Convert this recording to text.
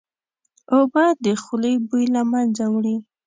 اوبه د خولې بوی له منځه وړي